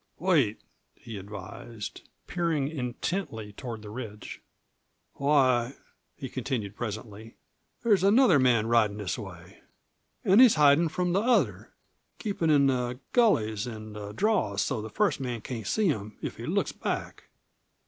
"Wait," he advised, peering intently toward the ridge. "Why," he continued presently, "there's another man ridin' this way. An' he's hidin' from the other keepin' in the gullies an' the draws so's the first man can't see him if he looks back."